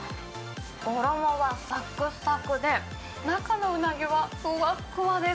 衣はさくさくで、中のうなぎはふわっふわです。